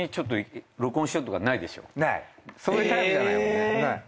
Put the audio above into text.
そういうタイプじゃないもんね。